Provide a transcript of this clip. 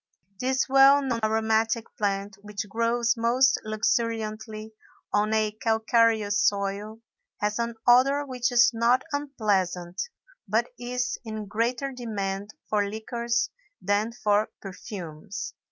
This well known aromatic plant, which grows most luxuriantly on a calcareous soil, has an odor which is not unpleasant but is in greater demand for liqueurs than for perfumes.